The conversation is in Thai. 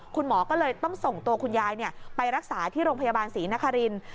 คุณหมอก็เลยต้องส่งตัวคุณยายไปรักษาที่โรงพยาบาลศรีนครินทร์